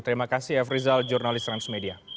terima kasih evrizal jurnalis transmedia